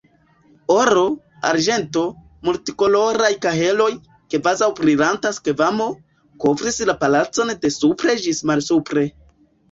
Oro, arĝento, multkoloraj kaheloj, kvazaŭ brilanta skvamo, kovris la palacon de supre ĝis malsupre.